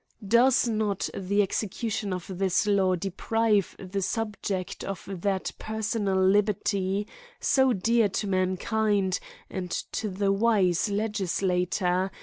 Does 146 AN ESSAY ON not the execution of thiu law deprive the subject of that personal liberty, so dear to mankind and to the wise legislator?